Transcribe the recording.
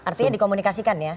artinya dikomunikasikan ya